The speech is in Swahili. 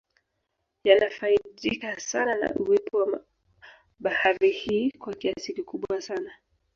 Yanafaidika sana na uwepo wa bahari hii kwa kiasi kikubwa sana